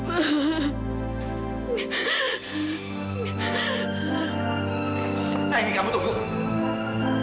apa yang kamu tunggu